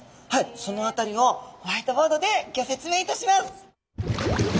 その辺りをホワイトボードでギョ説明いたします。